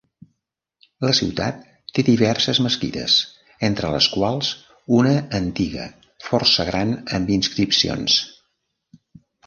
La ciutat té diverses mesquites entre les quals una antiga força gran amb inscripcions.